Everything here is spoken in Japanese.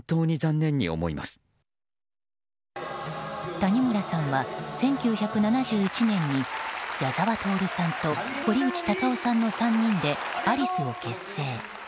谷村さんは１９７１年に矢沢透さんと堀内孝雄さんの３人でアリスを結成。